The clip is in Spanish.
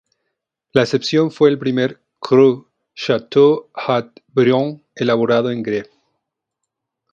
La excepción fue el primer "cru" Château Haut-Brion, elaborado en Graves.